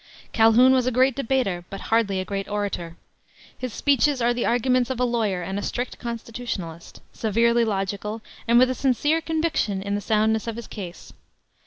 Calhoun was a great debater, but hardly a great orator. His speeches are the arguments of a lawyer and a strict constitutionalist, severely logical, and with a sincere conviction in the soundness of his case.